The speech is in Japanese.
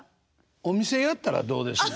お店やったらどうですの？